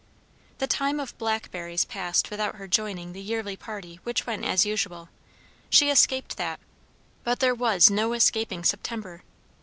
The time of blackberries passed without her joining the yearly party which went as usual; she escaped that; but there was no escaping September.